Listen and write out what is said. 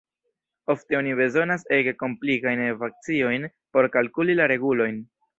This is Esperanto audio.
Ofte oni bezonas ege komplikajn ekvaciojn por kalkuli la regulojn.